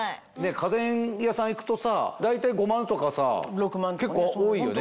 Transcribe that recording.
家電屋さん行くとさ大体５万とか結構多いよね。